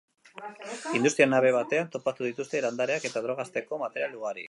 Industria-nabe batean topatu dituzte landareak eta droga hazteko material ugari.